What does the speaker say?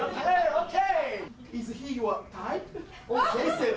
ＯＫ！